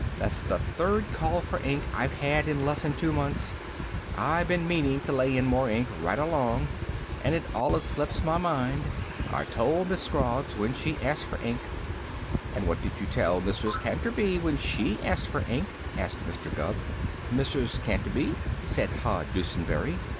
"That's the third call for ink I've had in less'n two months. I been meanin' to lay in more ink right along and it allus slips my mind. I told Miss Scroggs when she asked for ink " "And what did you tell Mrs. Canterby when she asked for ink?" asked Mr. Gubb. "Mrs. Canterby?" said Hod Dusenberry.